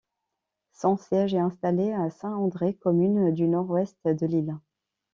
Son siège est installé à Saint-André, commune du nord-est de l'île.